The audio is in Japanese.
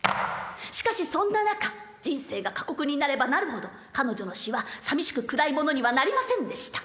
しかしそんな中人生が過酷になればなるほど彼女の詩はさみしく暗いものにはなりませんでした。